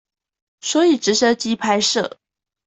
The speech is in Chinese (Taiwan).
所以直升機拍攝